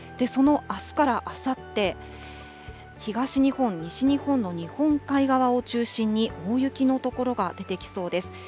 そのあすからあさって、東日本、西日本の日本海側を中心に、大雪の所が出てきそうです。